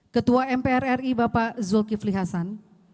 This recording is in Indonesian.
ketua mpr ri bapak zulkifli hasan